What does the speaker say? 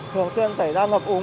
thường xuyên xảy ra ngập úng